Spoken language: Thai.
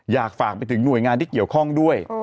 อยากฝากไปถึงหน่วยงานที่เกี่ยวข้องด้วย